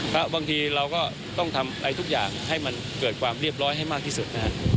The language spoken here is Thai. แล้วบางทีเราก็ต้องทำอะไรทุกอย่างให้มันเกิดความเรียบร้อยให้มากที่สุดนะฮะ